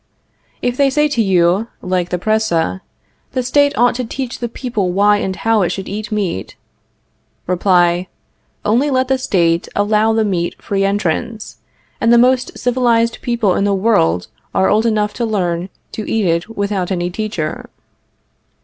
If they say to you, like the Presse: The State ought to teach the people why and how it should eat meat Reply: Only let the State allow the meat free entrance, and the most civilized people in the world are old enough to learn to eat it without any teacher.